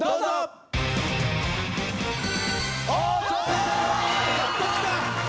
やっときた！